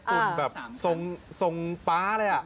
อ่ะแบบทรงป๊าเลยอ่ะ